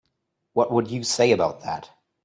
What would you say about that?